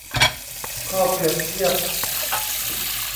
ข้อเปรียบเทียบ